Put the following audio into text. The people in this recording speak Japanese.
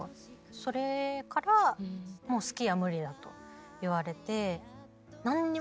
それからもうスキーは無理だと言われて何にもえ？